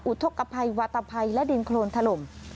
อุทธกภัยวาตภัยและดินโครนถล่ม